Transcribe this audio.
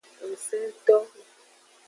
Ngsento.